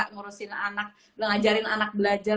ngurusin anak ngajarin anak belajar